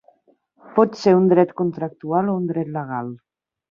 Pot ser un dret contractual o un dret legal.